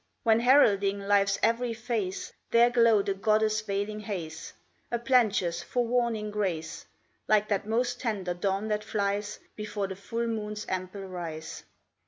When, heralding life's every phase, There glowed a goddess veiling haze, A plenteous, forewarning grace, Like that more tender dawn that flies Before the full moon's ample rise?